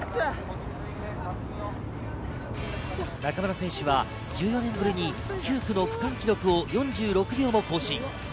歴史を動かした区間新中村選手は１４年ぶりに９区の区間記録を４６秒も更新。